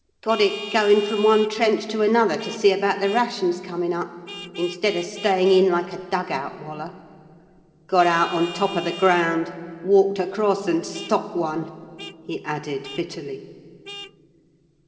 "Got it goin' from one trench to another to see about the rations comin' up instead of stayin' in like a 'dug out wallah.' Got out on top of the ground, walked across an' stopped one," he added bitterly.